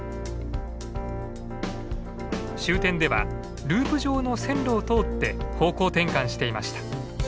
終点ではループ状の線路を通って方向転換していました。